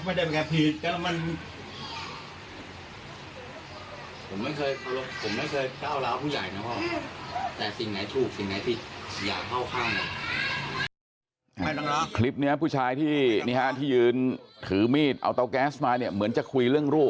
คลิปนี้ลูกผู้ชายที่ยืนถือมีดนี่เหมือนจะคุยเรื่องลูก